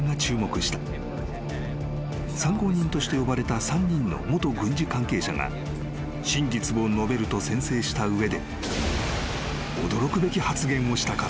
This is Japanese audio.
［参考人として呼ばれた３人の元軍事関係者が真実を述べると宣誓した上で驚くべき発言をしたからだ］